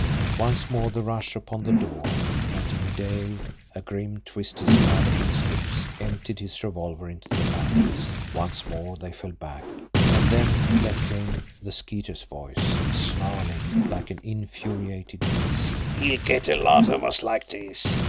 Once more the rush upon the door and Jimmie Dale, a grim, twisted smile upon his lips, emptied his revolver into the panels. Once more they fell back and then there came the Skeeter's voice, snarling like an infuriated beast: "He'll get de lot of us like dis!